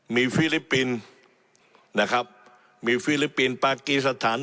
มีฟิลิปปินส์นะครับมีฟิลิปปินส์ปากีสถาน